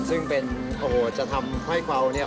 ซึ่งเป็นโอ้โหจะทำให้เราเนี่ย